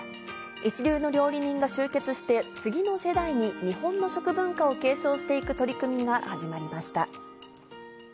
一流の料理人が集結して、次の世代に日本の食文化を継承していく取り組みが始まりました。